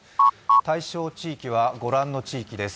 対象地域は、ご覧の地域です。